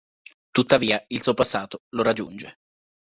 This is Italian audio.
Tuttavia, il suo passato lo raggiunge.